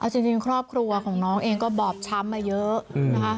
จริงครอบครัวของน้องเองก็บอบช้ำมาเยอะนะคะ